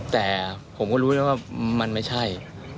แต่ผมก็รู้แล้วว่ามันไม่ใช่